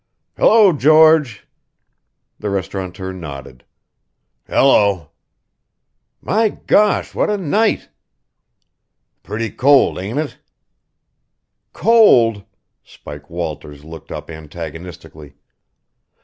"Hello, George!" The restauranteur nodded. "Hello!" "My gosh! What a night!" "Pretty cold, ain't it?" "Cold?" Spike Walters looked up antagonistically.